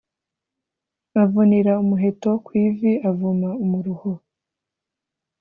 avunira umuheto ku ivi avuma umuruho